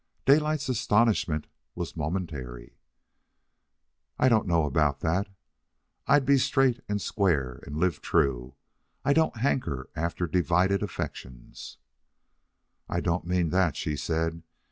Daylight's astonishment was momentary. "I don't know about that. I'd be straight and square, and live true. I don't hanker after divided affections." "I don't mean that," she said.